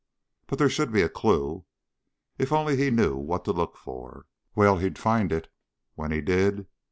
But there should be a clue. If only he knew what to look for. Well, he'd find it. When he did